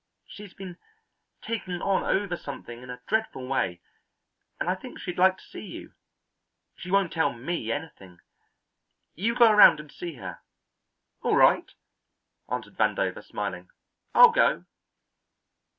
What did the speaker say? She's been taking on over something in a dreadful way, and I think she'd like to see you. She won't tell me anything. You go around and see her." "All right," answered Vandover smiling, "I'll go."